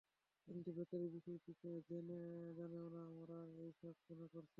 কিন্তু বেচারি বিষয়টি তো জানেও না, আমরা এই সব কেন করছি।